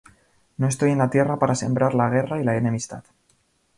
No estoy en la tierra para sembrar la guerra y la enemistad.